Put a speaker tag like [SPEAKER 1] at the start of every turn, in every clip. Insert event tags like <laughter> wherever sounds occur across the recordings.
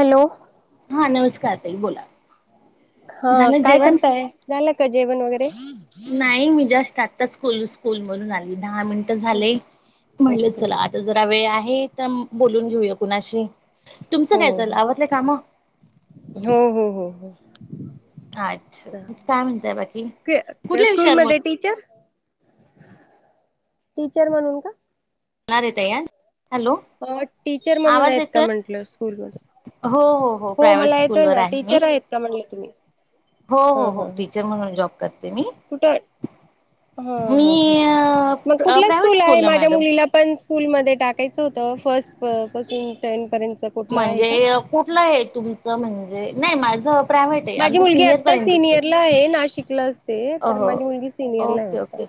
[SPEAKER 1] Hello
[SPEAKER 2] हा नमस्कार ताई बोला
[SPEAKER 1] हा
[SPEAKER 2] झालं
[SPEAKER 1] काय
[SPEAKER 2] जेवण
[SPEAKER 1] करताय झालं का जेवण वगैरे
[SPEAKER 2] नाही मी जास्त स्कूलमधून आलीये दहा मिनिटं झाले म्हणलं
[SPEAKER 1] ओके
[SPEAKER 2] चला आता जरा वेळ आहे. हे तर बोलून घेऊया कुणाशी तुमचं
[SPEAKER 1] हो
[SPEAKER 2] काय चाललंय आवरलंय काम
[SPEAKER 1] हो हो हो हो हो
[SPEAKER 2] अच्छा काय म्हणतय बाकी
[SPEAKER 1] त्या
[SPEAKER 2] कुठल्या विषयावर
[SPEAKER 1] स्कूलमध्ये टीचर टीचर म्हणून का
[SPEAKER 2] <unintelligible> हॅलो
[SPEAKER 1] अ टीचर म्हणून
[SPEAKER 2] आवाज
[SPEAKER 1] आहेत का
[SPEAKER 2] येतोय
[SPEAKER 1] म्हंटलं स्कूल मध्ये
[SPEAKER 2] हो
[SPEAKER 1] हो
[SPEAKER 2] प्रायव्हेट
[SPEAKER 1] मला येतय
[SPEAKER 2] स्कूलवर
[SPEAKER 1] ना
[SPEAKER 2] आहे मी
[SPEAKER 1] टीचर आहेत का म्हटलं तुम्ही!
[SPEAKER 2] हो हो हो टीचर म्हणून! जॉब करते मी
[SPEAKER 1] कुठे हां- हां
[SPEAKER 2] मी
[SPEAKER 1] मग कुठलं
[SPEAKER 2] प्रायव्हेट
[SPEAKER 1] स्कूल आहे
[SPEAKER 2] स्कूलला
[SPEAKER 1] माझ्या
[SPEAKER 2] मॅडम
[SPEAKER 1] मुलीला पण स्कूलमध्ये! टाकायचं होत फर्स्ट पासून टेन -
[SPEAKER 2] म्हणजे कुठलं आहे तुमचं म्हण -
[SPEAKER 1] माझी मुलगी आता सिनियरला आहे नाशिकला असते तर
[SPEAKER 2] अहो
[SPEAKER 1] माझी मुलगी सिनियरला आहे
[SPEAKER 2] ओके
[SPEAKER 1] आता!
[SPEAKER 2] Okay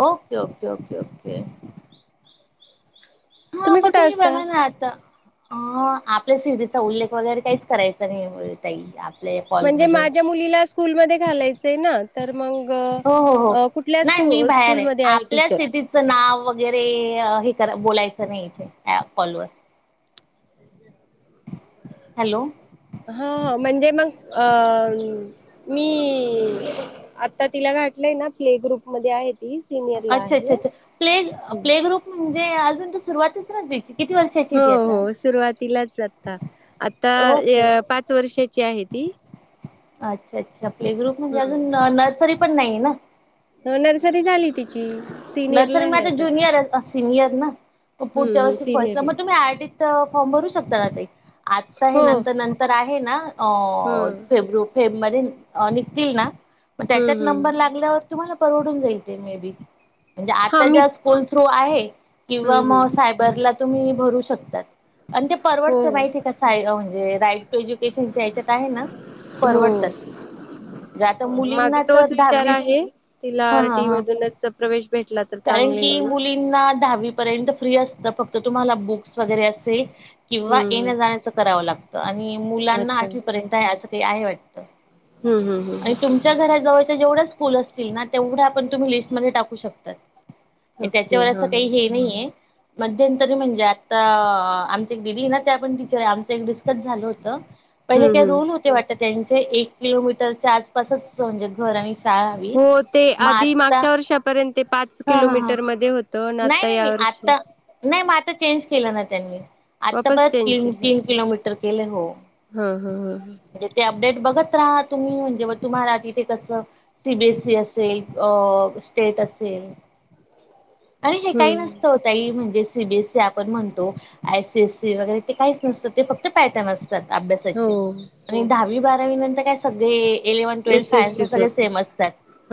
[SPEAKER 2] okay -okay okay -okay हा मग
[SPEAKER 1] कुठे
[SPEAKER 2] तुम्ही
[SPEAKER 1] असता?
[SPEAKER 2] बघा ना आता! अ आपल्या सिरीचा उल्लेख वगैरे काहीच करायचा नाही. आपल्या
[SPEAKER 1] म्हणजे
[SPEAKER 2] कॉलमध्ये
[SPEAKER 1] माझ्या मुलीला स्कूलमध्ये घालायचंय ना. तर मग
[SPEAKER 2] हो हो हो
[SPEAKER 1] अ कुठल्या
[SPEAKER 2] नाही
[SPEAKER 1] स्कू
[SPEAKER 2] मी बाहेर आहे
[SPEAKER 1] स्कूलमध्ये
[SPEAKER 2] आपल्या
[SPEAKER 1] टीचर?
[SPEAKER 2] सिटीचं नाव वगै! वगैरे हे करा बोलायचं नाही इथे या कॉल वर! हॅलो
[SPEAKER 1] हां म्हणजे मग अ मी आता तिला घातलय ना प्ले ग्रुपमध्ये आहेत.
[SPEAKER 2] <unintelligible> <unintelligible> <unintelligible> प्ले प्ले ग्रुप म्हणजे! ते अजुन
[SPEAKER 1] हो -हो सुरुवातीलाच आता -आता
[SPEAKER 2] ओके
[SPEAKER 1] पाच वर्षाची आहे ती!
[SPEAKER 2] <unintelligible> प्ले ग्रुप म्हणजे अजुन नर्सरी - पण नाहीे ना!
[SPEAKER 1] हो नर्सरी झाली तिची -
[SPEAKER 2] नर्सरी माझं जुनियर सिनियर ना पुढच्या
[SPEAKER 1] हम्म हम्म
[SPEAKER 2] वर्षी पोस्टला
[SPEAKER 1] सिनियरला
[SPEAKER 2] मग तुम्ही आय! इथ फॉर्म भरू शकता ना ते - आता हे
[SPEAKER 1] हो
[SPEAKER 2] नंतर
[SPEAKER 1] ह
[SPEAKER 2] नंतर आहे. आहे ना. अं
[SPEAKER 1] हम्म
[SPEAKER 2] फेब्रु - फेब्रु मध्ये निघतील ना. मग त्याच्यात
[SPEAKER 1] हम्म
[SPEAKER 2] नंबर लागल्यावर! तुम्हाला परवडून जाई तेे मे बी! म्हणजे
[SPEAKER 1] हा
[SPEAKER 2] आता
[SPEAKER 1] मी
[SPEAKER 2] ज्या स्कूल - थ्रो आहे. किंवा
[SPEAKER 1] हम्म हम्म
[SPEAKER 2] मग सायबरला! तुम्ही भरू शकतात. आणि ते
[SPEAKER 1] हो
[SPEAKER 2] परवडत माहिती आहे का? साय फोन. <unintelligible> एज्युकेशनच्या ह्याच्यात आहे ना,
[SPEAKER 1] हो
[SPEAKER 2] परवडतात आता
[SPEAKER 1] माझा
[SPEAKER 2] मुलींना तर
[SPEAKER 1] तोच विचार
[SPEAKER 2] दहावी
[SPEAKER 1] आहे तिला आरटी
[SPEAKER 2] हंहं
[SPEAKER 1] मधूनच प्रवेश भेटला तर
[SPEAKER 2] कारण
[SPEAKER 1] चांगले
[SPEAKER 2] की
[SPEAKER 1] म्हणून
[SPEAKER 2] मुलींना दहावी पर्यंत फ्री असतं फक्त तुम्हाला बुक्स वगैरे असे किंवा
[SPEAKER 1] हम्म
[SPEAKER 2] येण्या जाण्याचं करावं. आणि मुलांना
[SPEAKER 1] अच्छा
[SPEAKER 2] आठवीपर्यंत आहेच. ते आहे वाटत.
[SPEAKER 1] हम्म हम्म
[SPEAKER 2] आणि
[SPEAKER 1] हम्
[SPEAKER 2] तुमच्या घराजवळच्या <unintelligible> <unintelligible> असतील ना तेवढ्या आपण तुम्ही लिस्टमध्ये टाकू <inaudible>
[SPEAKER 1] ओके
[SPEAKER 2] त्याच्यावर
[SPEAKER 1] हा
[SPEAKER 2] असं
[SPEAKER 1] हा
[SPEAKER 2] काही हे नाहीये. मध्यंतरी म्हणजे आता आमच <unintelligible> झालं होत पहिले
[SPEAKER 1] हम्म
[SPEAKER 2] ते
[SPEAKER 1] हम्म
[SPEAKER 2] रूल होते वाटत त्यांचे एक किलोमीटर असेच सब <unintelligible>
[SPEAKER 1] हो ते आधी
[SPEAKER 2] आता
[SPEAKER 1] मागच्या वर्षापर्यंत पाच
[SPEAKER 2] हा हा हा
[SPEAKER 1] किलोमीटर मध्ये होते.
[SPEAKER 2] नाही, नाही मी आत्ता नाही चेंज केलं ना त्यांनी? आता
[SPEAKER 1] वापस
[SPEAKER 2] परत
[SPEAKER 1] चेंज
[SPEAKER 2] तीन
[SPEAKER 1] केलं
[SPEAKER 2] तीन किलोमीटर केले हो,
[SPEAKER 1] हा हा ह
[SPEAKER 2] <unintelligible> अपडेट बघत राहा तुम्ही म्हणजे तुम्हाला तिथे कसं सी बी एस ई असेल, स्टेट असेल. आणि हे काही
[SPEAKER 1] हम्म
[SPEAKER 2] नसतं हो ताई <unintelligible> सी बीए सी आपण म्हणतो. <unintelligible> <unintelligible> वगैरे ते काहीच नसतं ते फक्त पॅटर्न
[SPEAKER 1] हो
[SPEAKER 2] अभ्यासाचे आणि दहावी बारावी विनंती काय सध्या एक eleven, twelfth
[SPEAKER 1] S S
[SPEAKER 2] science
[SPEAKER 1] सीच
[SPEAKER 2] सगळे
[SPEAKER 1] होत
[SPEAKER 2] सेम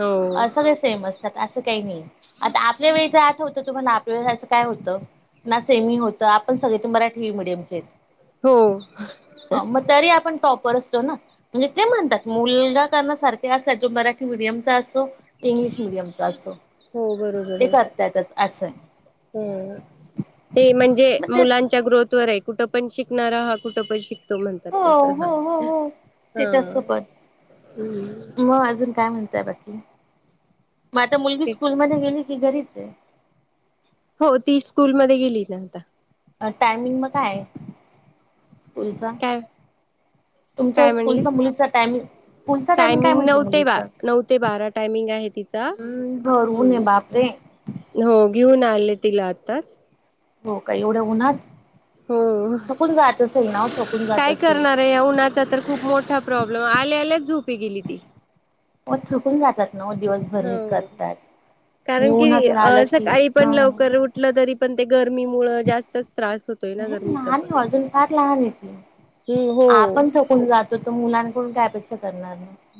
[SPEAKER 1] हो
[SPEAKER 2] सगळे सेम असतात. ं काही नाही. आता आपल्या वेळच तुम्हाला आपल्या वेळेस असं काय होतं? ना सेमी होतं आपण सगळे ते मराठी मीडियमचेच.
[SPEAKER 1] हो
[SPEAKER 2] हं म तरी आपण टॉप असतों ना? म्हणजे ते म्हणतात, मुलगा त्यांना <unintelligible> मराठी मिडियमचा असो इंग्लिश मिीडियमचा असो.
[SPEAKER 1] हो बरोबर
[SPEAKER 2] ते
[SPEAKER 1] आहे
[SPEAKER 2] करतायतच असं
[SPEAKER 1] ते म्हणजे
[SPEAKER 2] मग तेच
[SPEAKER 1] मुलांच्या ग्रोथ व कुठं पण शिकणार हा कुठे पण श तो म्हणतात
[SPEAKER 2] हो
[SPEAKER 1] तस हा
[SPEAKER 2] हो हो हो ते
[SPEAKER 1] हा
[SPEAKER 2] तसं पण
[SPEAKER 1] हम्
[SPEAKER 2] मग अजून काय म्हणताय बाकी मग आता मुलगी स्कूलमध्येध्ये गेली हि घरीच आहे
[SPEAKER 1] हो ती स्कूलमध्ये गेली ना आता
[SPEAKER 2] अच्छा टायमिंग मग काय आहे ब
[SPEAKER 1] काय काय म्हणले
[SPEAKER 2] स्कूलचा मुलीचा टायमिंग स्कूलचा काय
[SPEAKER 1] टायमिंग
[SPEAKER 2] म्हटलं
[SPEAKER 1] नऊ ते ब
[SPEAKER 2] मुलीचं
[SPEAKER 1] नऊ ते बारा टायमिंग आहे तिचा
[SPEAKER 2] हम्म भर ऊन आहे बापरे
[SPEAKER 1] हो घेऊन आले तिला आत्ताच
[SPEAKER 2] हो काही एवढं उणार
[SPEAKER 1] हो
[SPEAKER 2] थकून जात
[SPEAKER 1] काय
[SPEAKER 2] असेल
[SPEAKER 1] करणार आहे या उन्हाचा तर खूप मोठा प्रॉब्लेम आल्या आल्या झूप गेली ती
[SPEAKER 2] हो थुकून जातात ना हो दिवसभर हे
[SPEAKER 1] हो
[SPEAKER 2] करतात मी
[SPEAKER 1] कारण
[SPEAKER 2] उन्हातून आलं की
[SPEAKER 1] कीकाळी
[SPEAKER 2] हा
[SPEAKER 1] पण
[SPEAKER 2] हा
[SPEAKER 1] लवकर उठलं तरी पण ते घर गरमीचा
[SPEAKER 2] लहान
[SPEAKER 1] पण
[SPEAKER 2] आहे अजून फार लहान येते
[SPEAKER 1] हम्म हो
[SPEAKER 2] आपण थोकून जातो तो मुलांकडून काय अपेक्षा नार ना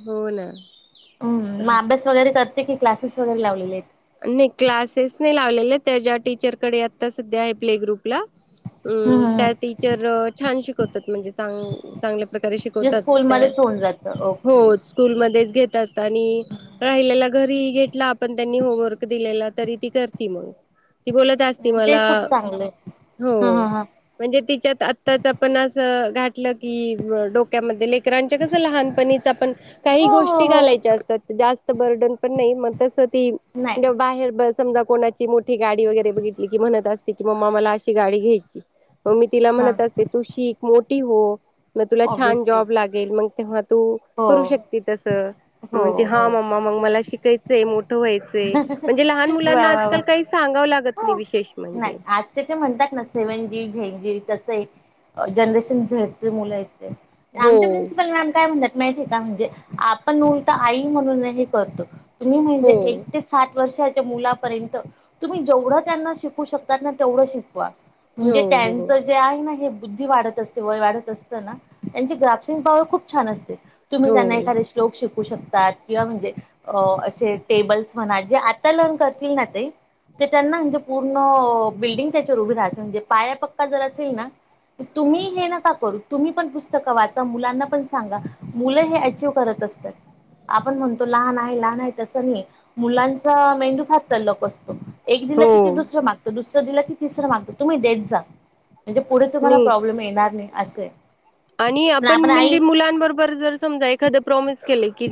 [SPEAKER 1] हो ना
[SPEAKER 2] मग अभ्यास वगैरे कर ते क्लासेस वगैर लावले आहेत
[SPEAKER 1] नाही क्लासेस नाही लावलेले त्याच्या टीचरकडे आता सध्या आहे प्ले ग्रुपला
[SPEAKER 2] हम्म
[SPEAKER 1] ्
[SPEAKER 2] हम्म
[SPEAKER 1] त्या टीचर छान शिकवतात म्हणजे चांगल्या प्रकारे
[SPEAKER 2] म्हणजे
[SPEAKER 1] शिकवतात
[SPEAKER 2] स्कूलमध्येच होऊन जातं
[SPEAKER 1] हो
[SPEAKER 2] ओके
[SPEAKER 1] स्कूलमध्ये घेत आणि
[SPEAKER 2] हम्म.
[SPEAKER 1] राहिल्यल ग घरी घेतला आपण त्यांनी वग दिलेला तरी ती करती मग त बोलत अस
[SPEAKER 2] ते
[SPEAKER 1] मला
[SPEAKER 2] खूप चांगलं आहे.
[SPEAKER 1] हो
[SPEAKER 2] हा हा हा
[SPEAKER 1] म्हणजे तिच्यात आताच पण अस की डोक्यामध्ये पोरांच्या कस लहानपणीच पण काही
[SPEAKER 2] हो हो
[SPEAKER 1] गोष्टी
[SPEAKER 2] हो
[SPEAKER 1] घालायच्या असतात जास्त बर्डन पण नाही मग तस ती
[SPEAKER 2] नाही
[SPEAKER 1] समजा कोणाची मोठी गाडी वगैरे बघितली की म्हणत असते कि मम्मा मला अशी गाडी घ्यायची मग मी तिला
[SPEAKER 2] हा
[SPEAKER 1] म्हणत असते तू शीक मो ठी हो. मग तुला छान
[SPEAKER 2] ऑब्विसली
[SPEAKER 1] जॉब लागेल मग तेव्हा तु तू
[SPEAKER 2] हो
[SPEAKER 1] करू शकती तसं मग
[SPEAKER 2] हो
[SPEAKER 1] म्हणती हा
[SPEAKER 2] हो
[SPEAKER 1] मम्मा मला शिकायचंय मोठ व्हायचंय. म्हणजे लहान
[SPEAKER 2] वा
[SPEAKER 1] मुलांना
[SPEAKER 2] वा वा
[SPEAKER 1] आजकाल काही सांगावं लागत
[SPEAKER 2] हो
[SPEAKER 1] नाही विशेष म्हणजे
[SPEAKER 2] नाही आजचे ते म्हणतात ना सेवन जी एक असये जनरेशन झेड चे मुलं आहेत. आमचे
[SPEAKER 1] हो
[SPEAKER 2] प्रिन्सिपल मॅम काय म्हणतात माहिती का म्हणजे आपण उलट आई म्हणून हे करतो तुम्ही
[SPEAKER 1] हो
[SPEAKER 2] म्हणजे एक सात वर्षाच्या मुलापर्यंत तुम्ही जेवढं त्यांना शिकू शकतात ना तेवढं शिकवा.
[SPEAKER 1] हो
[SPEAKER 2] म्हणजे
[SPEAKER 1] हो
[SPEAKER 2] त्यांचं जे आहे ना हे बुद्धी वाढत असते वय वाढत असत ना त्यांची ग्राफ्सिंग पावर खूप छान असते. तुम्ही त्यांना
[SPEAKER 1] हो
[SPEAKER 2] एखादे श्लोक शिकवा म्हणू शकतात किंवा म्हणजे अ असे टेबल्स म्हणा जे आकलन करतील ना ते ते त्यांना म्हणजे पूर्ण बिल्डिंग त्याच्यावर उभी राहते म्हणजे पाया पक्का जर असेल ना तुम्ही हे नका करू तुम्ही पण पुस्तकं वाचा मुलांना पण सांगा मुलं हे आचिव्ह करत असतात आपण म्हणतो लहान आहे लहान आहे तसं नाही मुलांचा मेंदू फार तल्लक असतो. एक दिला
[SPEAKER 1] हो
[SPEAKER 2] किती ते दुसरं मागतो दुस तस दिलं की तिसर मागत तुम्ही देत जा. म्हणजे पुढे तुम्हाला
[SPEAKER 1] नाही
[SPEAKER 2] प्रॉब्लेम येणार नाही. असे
[SPEAKER 1] आणि
[SPEAKER 2] पण
[SPEAKER 1] आपण
[SPEAKER 2] आई
[SPEAKER 1] म्हणजे मुलांबरोबर जर समजा एखाद प्रॉमिस केले की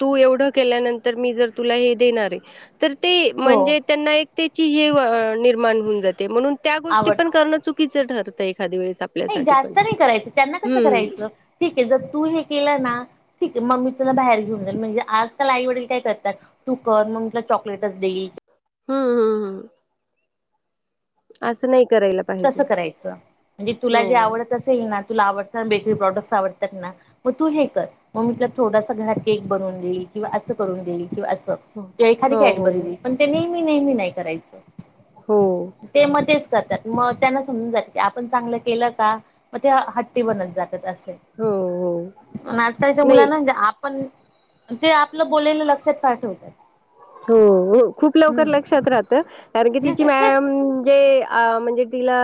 [SPEAKER 1] तू एवढं केल्यानंतर मी जर तुला हे देणार आहे. तर ते
[SPEAKER 2] हो
[SPEAKER 1] म्हणजे त्यांना एक त्याची हे निर्माण होऊन जाते ते म्हणून त्या गोष्टी
[SPEAKER 2] आवड
[SPEAKER 1] पण करण चुकीच ठरतय. एखाद्या वेळेस
[SPEAKER 2] नाही
[SPEAKER 1] आपल्यासाठी पण.
[SPEAKER 2] जास्त नाही करायचं त्यांना कसं
[SPEAKER 1] हम्म
[SPEAKER 2] करायच ठीक आहे जर तू हे केलं ना ठीक आहे म मी तुला बाहेर घेऊन जाईल म्हणजे आजकाल आई वडील काय करतात तू कर मग तुला चॉकटच देईल
[SPEAKER 1] हम्म हम् हम असं नाही पाहिजे
[SPEAKER 2] तसं करायचं म्हणजे तुला
[SPEAKER 1] हो
[SPEAKER 2] जे आवड तस येणार तुला आवडत बेकरी प्रॉडक्ट आवडतात ना मग तू हे कर मग मी तुला थोडासा घरात केक बनून देईल किंवा असं करून देईल किंवा अस
[SPEAKER 1] हो
[SPEAKER 2] एखादी
[SPEAKER 1] हो हो
[SPEAKER 2] कॅडबरी देईल मी नाहीे ममी नाही
[SPEAKER 1] हो
[SPEAKER 2] करायचं ते मध्येच सतत मग त्यांना समजून जात की आपण चांगलं केलं का मग ते हट्टी बनत जात असे
[SPEAKER 1] हो हो.
[SPEAKER 2] आजकालच्या
[SPEAKER 1] नाही
[SPEAKER 2] मुलांनाे आपण ते आपलं बोलायला लक्षात फार ठेवतात
[SPEAKER 1] हो खूप लवकर लक्षात राहत कारण की तिची
[SPEAKER 2] हम्म
[SPEAKER 1] मॅम जे अ म्हणजे तिला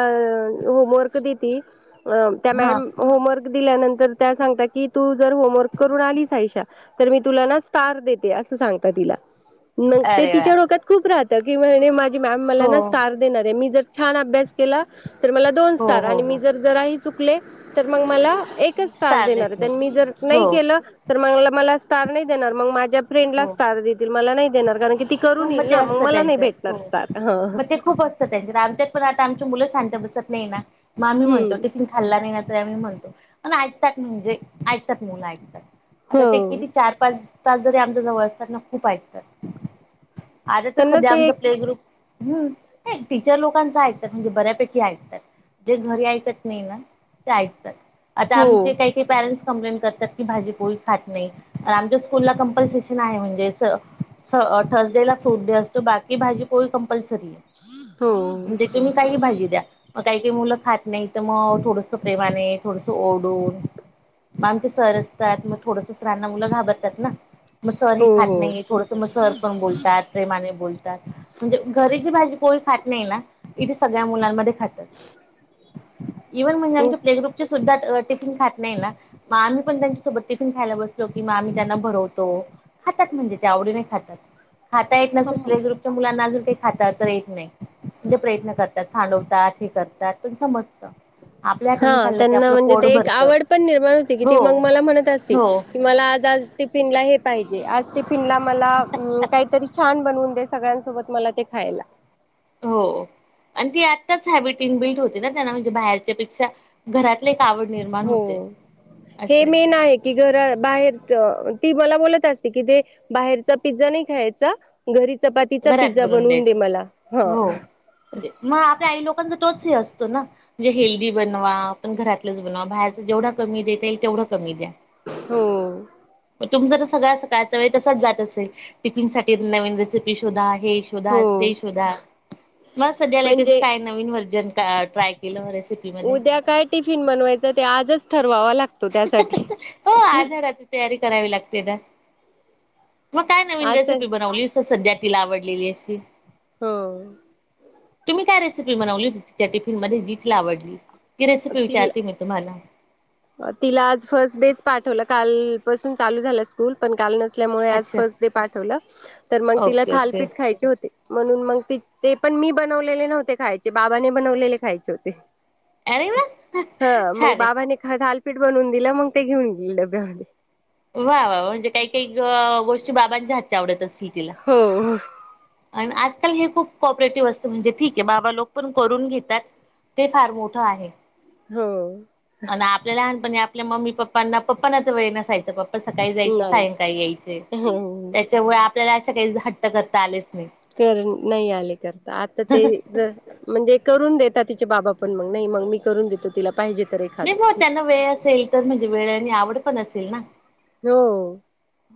[SPEAKER 1] होमवर्क देती अ त्या
[SPEAKER 2] हा
[SPEAKER 1] मॅम होमवर्क ंतर सगत्यात कि तू जर होमवर् करून आलीश तर मी तुला ना स्टार देते अस सांग तिला मग ते
[SPEAKER 2] अरे वा
[SPEAKER 1] तिच्या डोक्यात खूप राहात म्हणाली मॅम मला
[SPEAKER 2] हो
[SPEAKER 1] ना स्टार देणार आहे मी जर छान अभ्यास केला तर मला दोन
[SPEAKER 2] हो
[SPEAKER 1] स्टार
[SPEAKER 2] हो
[SPEAKER 1] आणि मी
[SPEAKER 2] हो
[SPEAKER 1] जर जर आहे चुकले तर मग मला एकच स्टार
[SPEAKER 2] देत
[SPEAKER 1] देणार आहे
[SPEAKER 2] नाही
[SPEAKER 1] त्यां मी जर
[SPEAKER 2] हो
[SPEAKER 1] नाही केलं तर मगला मला स्टार नाही देणार मग माझ्या फ्रेंड ला स्टार देतील मला नाही एणार का
[SPEAKER 2] ह मग ते असत त्यांच्यात हो
[SPEAKER 1] स्टार ह
[SPEAKER 2] मग ते खूप असतं त्यांच्यात आमच्यात पण आता आमची मुलं शांत बसत नाही ना मॅम ही म्हनतात
[SPEAKER 1] हम्म
[SPEAKER 2] टिफन खाल्ला नाही ना तर आम्हीणतो पण ऐकतात म्हणजे ऐकतात मुलं ऐकतात आता ते
[SPEAKER 1] हो
[SPEAKER 2] किती चार पाच तास जरी आमच्या जवळना खूप ऐकतात आ तर
[SPEAKER 1] त्यांना
[SPEAKER 2] सध्या
[SPEAKER 1] ते
[SPEAKER 2] आमचा
[SPEAKER 1] एक
[SPEAKER 2] प्ले ग्रुप हम्म टीचर लोकांच ऐकतात म्हणजे बऱ्यापैकी ऐकतात जे घरी ऐकत नाही ना ते ऐकतात आता
[SPEAKER 1] हो
[SPEAKER 2] आमचे काही काही पॅरेंट्स कंप्लेंट करतात कि भाजी पोळी खात नाही आमच्या स्कूल ला कॉम्प्लिसशन आहे म्हणे स स थर्स डे ला फूड असतो बाकी भाजी को
[SPEAKER 1] हो
[SPEAKER 2] म्हणजे तुम्ही काही भाजी द्या मग काही काही मुलं खात नाही तर मग थोडस प्रेमाने थोडसं ओरडून मग आमचे सर असतात मग थोडस राांना मुलं घाबरतात ना म सर हे खात
[SPEAKER 1] हो
[SPEAKER 2] नाही थोडसं म सर बोलतात प्रेमाने बोलतात म्हणजे घरी जी भाजी णी खात नाही ना, इथे सगळ्या मुलांमधे खातात इव्हण म्हणजे आमच्या प्ले
[SPEAKER 1] हो
[SPEAKER 2] ग्रुपचे सुद्धा टिफिन खात नाही ना मग आम्ही पण त्यांच्यासोबत टिफिन खायला बसलो की मग आम्ही त्यांना भरवतो खातात म्हणजे ते आवडीने खातात खाता येत नसेल प्ले ग्रुपच्या मुलांना अजून काही खात तर येत नाही पण ते प्रयत्न तात सांडवतात हे करतात त्यात पण समजत
[SPEAKER 1] हा त्यांना म्हणजे एक आवड पण निर्माण होती
[SPEAKER 2] हो
[SPEAKER 1] कि मग मला म्हणत असती
[SPEAKER 2] हो
[SPEAKER 1] की मला आज टिफिनला हे पाहिजे आज ते पा टिफिनला मला अं काहीतरी छान बनवून दे सगळ्यांसोबत मला ते खायला
[SPEAKER 2] हो आणि ती आत्ताच हॅबिटींग बिल्ड होते ना त्यांना म्हणजे बाहेरच्या पेक्षा घरातले- आवड निर्माण होते,
[SPEAKER 1] हो हे
[SPEAKER 2] असय
[SPEAKER 1] मेन आहे की बाहेर अ ती मला अ बोलत असते कि ते बाहेरचा पिझ्झा नाही खायचा घरी चपातीचा
[SPEAKER 2] घरात
[SPEAKER 1] पिझ्झा बनवून दे
[SPEAKER 2] द्यायचं
[SPEAKER 1] मला हं
[SPEAKER 2] पण तोच हे असतो ना म्हणजे हेल्दी बनवा आपण घरातलंच बनवा, बाहेरच जेवढा कमी देता येईल तेवढं कमी द्या
[SPEAKER 1] हो
[SPEAKER 2] ग तुमचा तर सगळ्या सकाळचा वेळ तसाच जात असेल टिफिन साठी नवीन रेसिपी सपी शोधा हे शोधा
[SPEAKER 1] हो
[SPEAKER 2] ते शोधा मला सध्या लेटेस्ट
[SPEAKER 1] म्हणजे
[SPEAKER 2] काय नवीन व्हर्जन? हा ट्राय केलं रेसि
[SPEAKER 1] उद्या काय टिफिन बनवायचं ते आजच ठर वावा लागतो, त्यासाठी
[SPEAKER 2] हो आजाराची तयारी करावी लागते तर मग काय नवीन
[SPEAKER 1] आज तर
[SPEAKER 2] रेसिपी बनवलीस? सध्या तिला आवडलेली अशी?
[SPEAKER 1] हो
[SPEAKER 2] तुम्ही काय रेसिपी बनवली तिच्या टिफिन मध्ये जि तिला आवडली? ती रेसिपी
[SPEAKER 1] ति
[SPEAKER 2] विचारते मी तुम्हाला.
[SPEAKER 1] तिला आज फर्स्ट डे च पाठवलं काल पसून चालू झालं स्कूल पण काल न ल्यामुळे आज
[SPEAKER 2] अच्छा
[SPEAKER 1] फर्स्ट डे पाठवलं, तर मग तिला
[SPEAKER 2] ओके ओके
[SPEAKER 1] थालपीठ खायचे होते. म्हणून मग ते पण मी बनवलेले नव्हते खायचे बाबाने बनवलेले खायचे होते.
[SPEAKER 2] अरे वा
[SPEAKER 1] हा मग
[SPEAKER 2] छान आहे.
[SPEAKER 1] बाबाने थालिपीठ बनवून दिलं मग ते घेऊन गेली डब्यामध्ये.
[SPEAKER 2] वा वा म्हणजे काही काही ग आ गोष्टी बाबांच्या हातच्या आवडत अस तील तीला.
[SPEAKER 1] हो
[SPEAKER 2] आणि आजकाल हे खूप कॉपरेटिव्ह असतं म्हणजे ठीक आहे बाबा लोक पण करून घेतात ते फार मोठं आहे.
[SPEAKER 1] हो
[SPEAKER 2] आणि आपल्या लहानपणी आप ल्या मम्मी पप्पांना पप्पांना तर वेळ नसायचा. पप्पा सकाळी जायचे
[SPEAKER 1] नाही
[SPEAKER 2] सायंकाळी यायचे
[SPEAKER 1] हो
[SPEAKER 2] त्याच्यामुळे आपल्याला अशा काही घ हट्ट करता आले
[SPEAKER 1] कर नाही आले करता आता ते जर म्हणजे करून देता तिचे बाबा पण मग नाही मग मी करून देतो तिला. पाहिजे तर
[SPEAKER 2] नाही म
[SPEAKER 1] एखादं
[SPEAKER 2] त्यांना वेळ असेल तर म्हणजे वेळ आणि आवड पण असेल ना.
[SPEAKER 1] हो.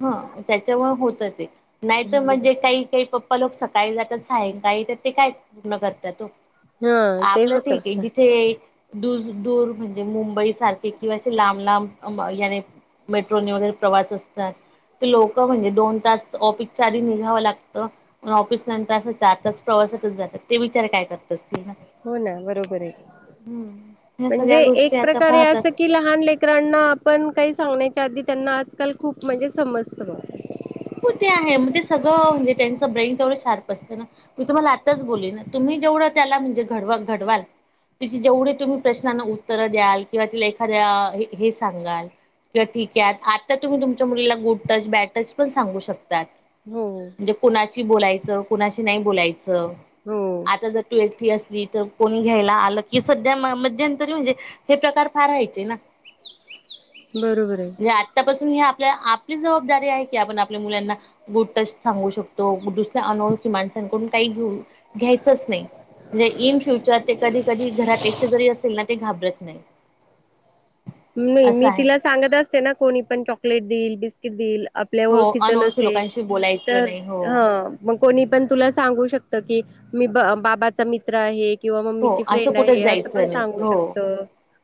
[SPEAKER 2] हा त्याच्यामुळं होत ते. नाहीत म्हणजे काही काही पप् लोक सकाळी जातात सायंकाळी येतात ते काय पूर्ण करत्यात ओ.
[SPEAKER 1] हा ते
[SPEAKER 2] आपलं
[SPEAKER 1] होत
[SPEAKER 2] ठीक आहे. जिथे दूर दूर म्हणजे मुंबई सारखे किंवा असे लांब लांब याने मेट्रोने वगैरे प्रवास अस ते लोक म्हणजे दोन तास ऑफिसच्या आधी निघावं लागतं ऑफिसनंतर असं चार तास प्रवासातच जातात ते विचारा काय करत असतील. ना
[SPEAKER 1] हो ना बरोबर आहे
[SPEAKER 2] हम्म ह्या
[SPEAKER 1] म्हणजे
[SPEAKER 2] सगळ्या
[SPEAKER 1] एक
[SPEAKER 2] गोष्टी आता
[SPEAKER 1] प्रकारे अस
[SPEAKER 2] पाहतात
[SPEAKER 1] की लहान लेकरांना आपण काही सांगण्या च्या आधी त्यांना आजकाल खूप म्हणजे समजतं बगा.
[SPEAKER 2] हो तेवढे शार्प असतात ना, मी तुम्हाला आत्ताच बोलले ना, तुम्ही जेवढं त्याला घडवाल, तशी जेवढे तुम्ही प्रश्नांना उत्तरे द्यालकिंवा त्याला एखाद्या ही सांगाल, किंवा ठीक आहे आत्ता तुम्ही तुमच्या मुलीला गुड टच बॅड टच पण सांगू शकतात
[SPEAKER 1] हो.
[SPEAKER 2] म्हणजे कुणाशी बोलायचं कुणाशी नाही बोलायच.
[SPEAKER 1] हो
[SPEAKER 2] आता जर ती एकटी अस ली तर कोणी घ्यायला आलं कि सध्या मध्यंतरी म्हणजे हे प्रकार फार व्हायचे ना.
[SPEAKER 1] बरोबर आहे.
[SPEAKER 2] हे आतापासून हे हे आपली जबाबदारी आहे. की आपण आपल्या मुलांना गुड टच सांगू शकतो दुसऱ्या अनोळखी माणसांकडून काही घेऊ घ्यायचच नाही म्हणजे इन फ्युचर ते कधी कधी घरात एकटे जरी असेल ना ते घाबरत नाही.
[SPEAKER 1] नाही
[SPEAKER 2] असं
[SPEAKER 1] मी
[SPEAKER 2] आहे.
[SPEAKER 1] तिला सांगत असते ना कोणी पण चॉकलेट देईल - - बिस्कीट दिल- - आपल्या
[SPEAKER 2] हो
[SPEAKER 1] ओळखीच
[SPEAKER 2] अनोळखी
[SPEAKER 1] नसेल
[SPEAKER 2] लोकांशी बोलायचं
[SPEAKER 1] तर
[SPEAKER 2] नाही हो.
[SPEAKER 1] हा मग कोणी पण तुला सांगू शकत की मी ब बाबाचा मित्र आहे. किंवा
[SPEAKER 2] हो
[SPEAKER 1] मम्मीची
[SPEAKER 2] असं
[SPEAKER 1] फ्रेंड
[SPEAKER 2] कुठेच
[SPEAKER 1] आहे असं पण
[SPEAKER 2] जायचं नाही
[SPEAKER 1] सांगू
[SPEAKER 2] हो
[SPEAKER 1] शकत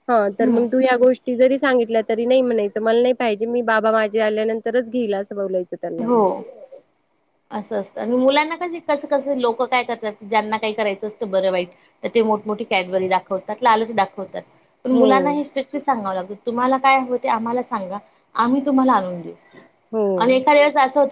[SPEAKER 1] हा तर
[SPEAKER 2] हम्म
[SPEAKER 1] मग तू ह गोष्टी सांगितलं तरी नाही म्हणाच मला नाही पाहिजे मी बाबा माझे आल्यानंतरच घेईल असं बोलायच
[SPEAKER 2] हो असं असत मुलांना कसं कसं लोक काय करतात ज्यांना काही करायचं असतं बरं वाईट तर ते मोठमोठी कॅडबरी दाखवतात लालच दाखवतात पण
[SPEAKER 1] हो,
[SPEAKER 2] मुलांना हि स्ट्रिकटरी सांगावं लागत तुम्हाला काय हो ते आम्हाला सांगा आम्ही तुम्हाला आणून घऊ
[SPEAKER 1] होम्
[SPEAKER 2] होत